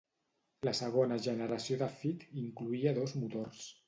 La segona generació de Fit incloïa dos motors.